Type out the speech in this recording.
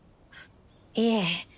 いえ。